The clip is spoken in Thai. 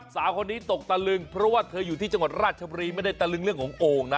สาวคนนี้ตกตะลึงเพราะว่าเธออยู่ที่จังหวัดราชบุรีไม่ได้ตะลึงเรื่องของโอ่งนะ